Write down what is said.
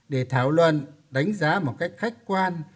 để thảo luận đánh giá một cách khách quan